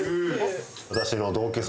私の同級生。